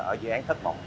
ở dự án thất mộng